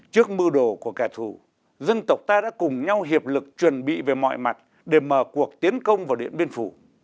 trước mưu đồ của kẻ thù dân tộc ta đã cùng nhau hiệp lực chuẩn bị về mọi mặt để mở cuộc tiến công vào điện biên phủ